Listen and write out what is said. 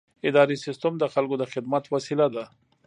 اداري سیستم د خلکو د خدمت وسیله ده.